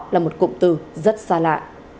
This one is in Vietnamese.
là một cụm từ rất xa lạ